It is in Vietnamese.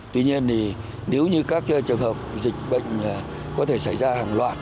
tuy nhiên thì nếu như các trường hợp dịch bệnh có thể xảy ra hàng loạt